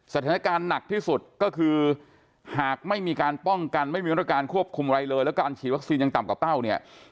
สถานการณ์หนักที่สุดก็คือหากไม่มีการป้องกันไม่มีมาตรการควบคุมอะไรเลยแล้วการฉีดวัคซีนยังต่ำกว่าเป้าเนี่ย